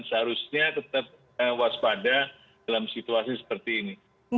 seharusnya tetap waspada dalam situasi seperti ini